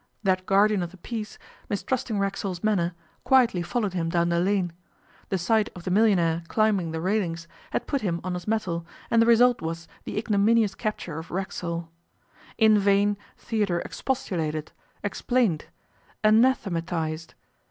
That guardian of the peace, mistrusting Racksole's manner, quietly followed him down the lane. The sight of the millionaire climbing the railings had put him on his mettle, and the result was the ignominious capture of Racksole. In vain Theodore expostulated, explained, anathematized.